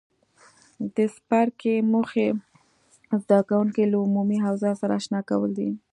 د څپرکي موخې زده کوونکي له عمومي اوضاع سره آشنا کول دي.